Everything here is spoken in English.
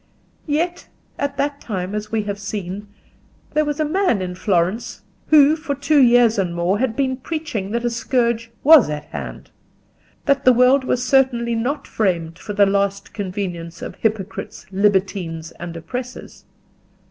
Yet at that time, as we have seen, there was a man in Florence who for two years and more had been preaching that a scourge was at hand; that the world was certainly not framed for the lasting convenience of hypocrites, libertines, and oppressors.